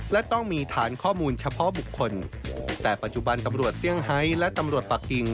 และต้องมีฐานข้อมูลเฉพาะบุคคลแต่ปัจจุบันตำรวจเซี่ยงไฮและตำรวจปากกิ่ง